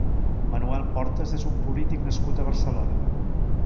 Manuel Portas és un polític nascut a Barcelona.